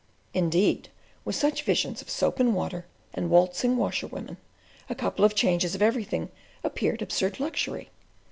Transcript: Indeed, with such visions of soap and water and waltzing washerwomen, a couple of changes of everything appeared absurd luxury.